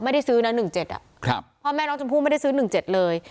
ไม่ได้ซื้อนะหนึ่งเจ็ดอ่ะครับพ่อแม่น้องชมพูไม่ได้ซื้อหนึ่งเจ็ดเลย